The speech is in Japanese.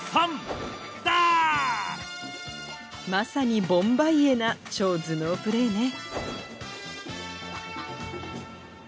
まさにボンバイエな超頭脳プレーね。